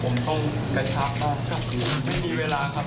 ผมต้องกระชับบ้างครับไม่มีเวลาครับ